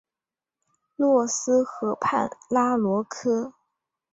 洛斯河畔拉罗科。